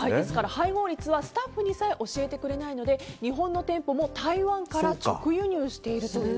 配合率はスタッフにさえ教えてくれないので日本の店舗も台湾から直輸入していると。